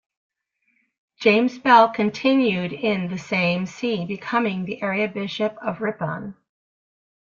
James Bell continued in the same See, becoming the area Bishop of Ripon.